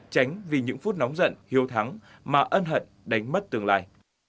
tránh vì những phút nóng giận hiếu thắng mà ân hận đánh mất tương lai